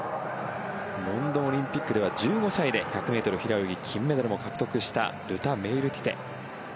ロンドンオリンピックでは１５歳で１００ｍ平泳ぎ金メダルも獲得したルタ・メイルティテ。